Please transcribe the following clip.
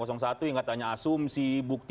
yang katanya asumsi bukti